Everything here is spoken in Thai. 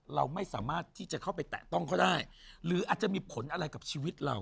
เราไม่สามารถที่จะเข้าไปแตะต้องเขาได้หรืออาจจะมีผลอะไรกับชีวิตเรา